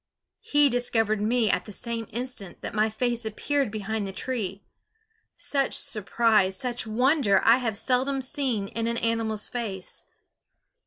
He discovered me at the instant that my face appeared behind the tree. Such surprise, such wonder I have seldom seen in an animal's face.